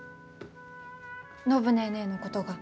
暢ネーネーのことが。